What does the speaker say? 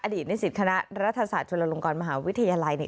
นิสิตคณะรัฐศาสตร์จุฬลงกรมหาวิทยาลัยเนี่ย